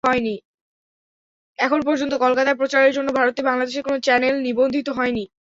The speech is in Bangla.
এখন পর্যন্ত কলকাতায় প্রচারের জন্য ভারতে বাংলাদেশের কোনো চ্যানেল নিবন্ধিত হয়নি।